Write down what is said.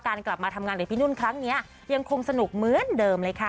กลับมาทำงานกับพี่นุ่นครั้งนี้ยังคงสนุกเหมือนเดิมเลยค่ะ